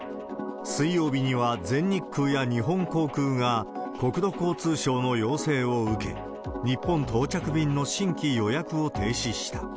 水曜日には全日空や日本航空が国土交通省の要請を受け、日本到着便の新規予約を停止した。